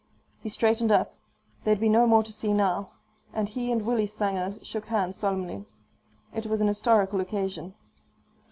He straightened up there'd be no more to see now and he and Willie Sanger shook hands solemnly. It was an historical occasion.